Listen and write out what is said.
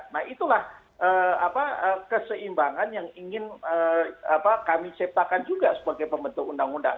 nah itulah keseimbangan yang ingin kami ciptakan juga sebagai pembentuk undang undang